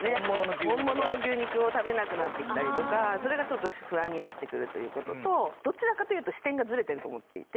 本物の牛肉を食べなくなってきたりとかそれがちょっと不安になってくるということとどちらかというと視点がズレてると思っていて。